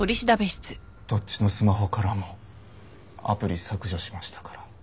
どっちのスマホからもアプリ削除しましたから。